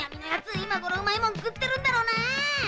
今頃うまいもん食ってるんだろうな！